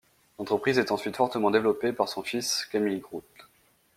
L'entreprise est ensuite fortement développé par son fils, Camille Groult.